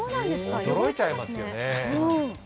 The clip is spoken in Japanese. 驚いちゃいますよね。